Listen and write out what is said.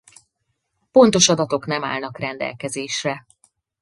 Pontos adatok nem állnak rendelkezésre.